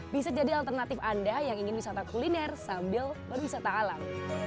bisa jadi alternatif anda yang ingin wisata kuliner sambil berwisata alam